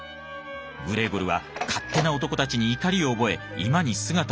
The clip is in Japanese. グレーゴルは勝手な男たちに怒りを覚え居間に姿を現す。